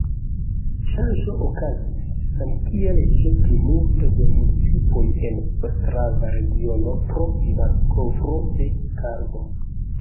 Ŝanĝo okazis, samkiel ĉe plimulto de municipoj en Ostrava-regiono, pro malkovro de karbo.